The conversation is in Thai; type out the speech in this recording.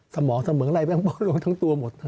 สมองทั้งเหมือนไรบ้างเพราะโรคทั้งตัวหมด